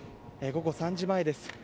午後３時前です。